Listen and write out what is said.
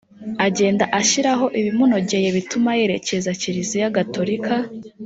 agenda ashyiraho ibimunogeye bituma yerekeza kiriziya gatorika